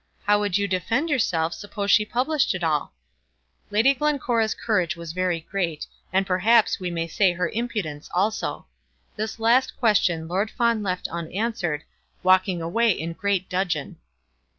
How would you defend yourself, suppose she published it all?" Lady Glencora's courage was very great, and perhaps we may say her impudence also. This last question Lord Fawn left unanswered, walking away in great dudgeon.